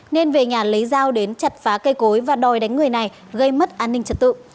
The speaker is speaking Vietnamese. nên về nhà lấy dao đến chặt phá cây cối và đòi đánh người này gây mất an ninh trật tự